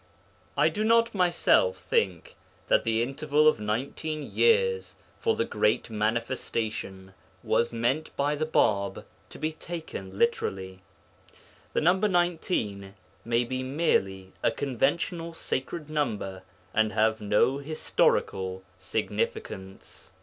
I do not myself think that the interval of nineteen years for the Great Manifestation was meant by the Bāb to be taken literally. The number 19 may be merely a conventional sacred number and have no historical significance.